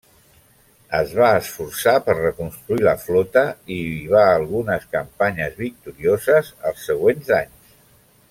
Es va esforçar per reconstruir la flota i va algunes campanyes victorioses els següents anys.